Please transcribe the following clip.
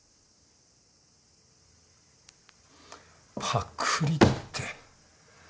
パクリって。